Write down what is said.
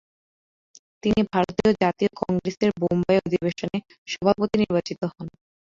তিনি ভারতীয় জাতীয় কংগ্রেসের বোম্বাই অধিবেশনে সভাপতি নির্বাচিত হন।